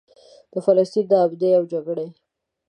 د فلسطین نا امني او جګړې.